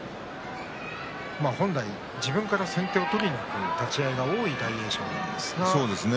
本来、自分から先手を取りにいく立ち合いが多い大栄翔です。